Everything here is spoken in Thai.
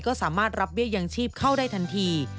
ก็สามารถรับเบี้ยยังชีพเข้าได้ทันที